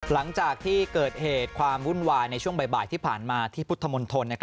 หลังจากที่เกิดเหตุความวุ่นวายในช่วงบ่ายที่ผ่านมาที่พุทธมนตร